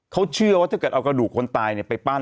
เขาเชื่อว่าถ้าเกิดเอากระดูกคนตายไปปั้น